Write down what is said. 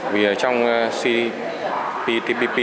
vì ở trong cptpp